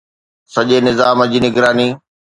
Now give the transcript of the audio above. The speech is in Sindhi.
سڄي نظام جي نگراني